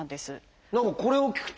何かこれを聞くと。